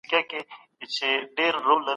ډیپلوماټیک ليدني د ستونزو د هواري لپاره ګټوري دي.